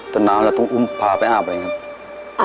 น้ำเราต้องอุ้มพาไปอาบอะไรอย่างนี้ครับ